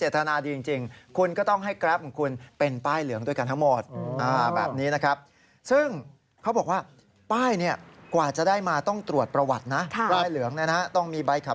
ถ้าคุณเจตนาดีจริง